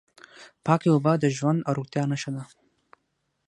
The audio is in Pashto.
پاکې اوبه د ژوند او روغتیا نښه ده.